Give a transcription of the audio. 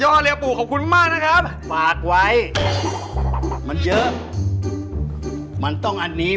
สุดยอดเนี่ยปูขอบคุณมากนะครับฝากไว้มันเยอะมันต้องอันนี้